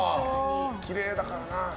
きれいだからな。